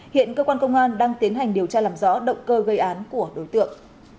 hiện cơ quan công an đang tiến hành điều tra làm rõ động cơ gây án của đối tượng